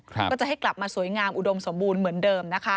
ก็จะให้กลับมาสวยงามอุดมสมบูรณ์เหมือนเดิมนะคะ